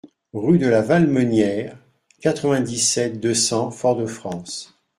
Rue de la Valmenière, quatre-vingt-dix-sept, deux cents Fort-de-France